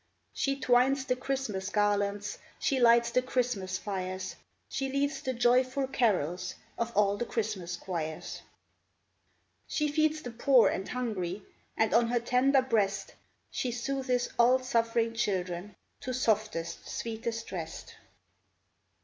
She twines the Christmas garlands. She lights the Christmas fires, She leads the joyful carols Of all the Christmas choirs ; 404 THE LEGEND OF THE BABOUSHKA She feeds the poor and hungry, And on her tender breast She soothes all suffering children To softest, sweetest rest.